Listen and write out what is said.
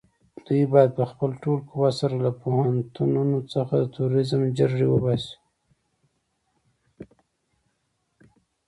دوی بايد په خپل ټول قوت سره له پوهنتونونو څخه د تروريزم جرړې وباسي.